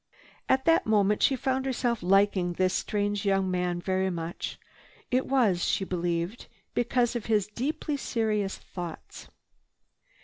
At that moment she found herself liking this strange young man very much. It was, she believed, because of his deeply serious thoughts.